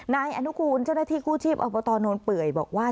นายอนุกูลเจ้าหน้าที่กู้ชีพอบตโนนเปื่อยบอกว่า